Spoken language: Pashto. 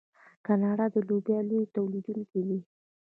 کاناډا د لوبیا لوی تولیدونکی دی.